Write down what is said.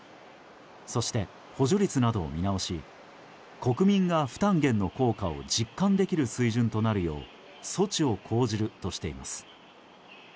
そして、補助率などを見直し国民が負担減の効果を実感できる水準となるよう措置を講じるとしています。